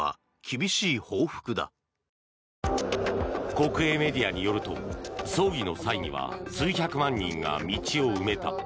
国営メディアによると葬儀の際には数百万人が道を埋めた。